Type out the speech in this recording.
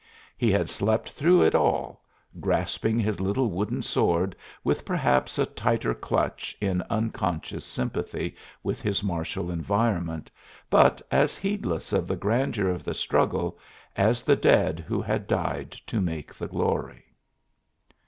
He had slept through it all, grasping his little wooden sword with perhaps a tighter clutch in unconscious sympathy with his martial environment, but as heedless of the grandeur of the struggle as the dead who had died to make the glory.